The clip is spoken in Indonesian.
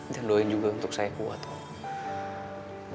dan doain juga untuk saya kuat om